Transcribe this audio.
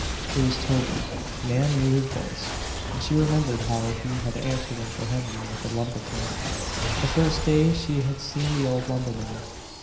It was Toby. Nan knew his voice, and she remembered how he had answered Uncle Henry at the lumber camp, the first day she had seen the old lumberman.